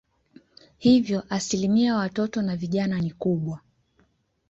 Hivyo asilimia ya watoto na vijana ni kubwa.